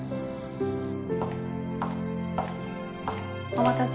お待たせ。